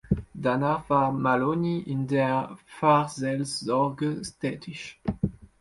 Danach war Maloney in der Pfarrseelsorge tätig.